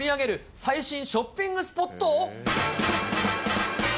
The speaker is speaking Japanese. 最新ショッピングスポット？